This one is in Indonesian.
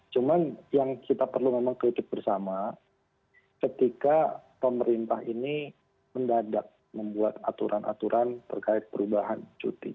cuma yang kita perlu memang kritik bersama ketika pemerintah ini mendadak membuat aturan aturan terkait perubahan cuti